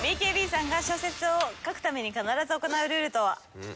ＢＫＢさんが小説を書くために必ず行うルールとは？